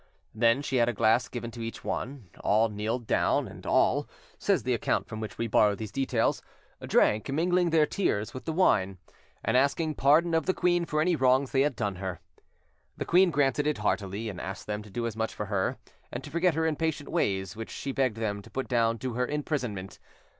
Then she had a glass given to each one: all kneeled down, and all, says the account from which we borrow these details, drank, mingling their tears with the wine, and asking pardon of the queen for any wrongs they had done her. The queen granted it heartily, and asked them to do as much for her, and to forget her impatient ways, which she begged them to put down to her imprisonment.